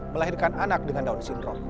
melahirkan anak dengan down syndrome